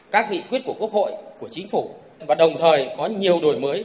các nghị quyết của quốc hội của chính phủ và đồng thời có nhiều đổi mới